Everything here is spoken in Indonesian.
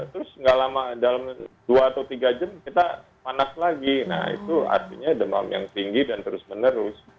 terus nggak lama dalam dua atau tiga jam kita panas lagi nah itu artinya demam yang tinggi dan terus menerus